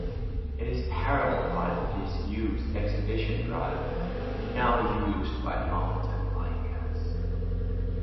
It is paralleled by the disused Exhibition Drive, now used by mountain bikers.